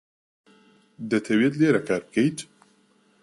دەتەوێت لێرە کار بکەیت؟